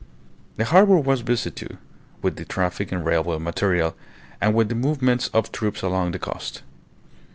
The harbour was busy, too, with the traffic in railway material, and with the movements of troops along the coast.